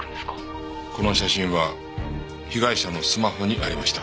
この写真は被害者のスマホにありました。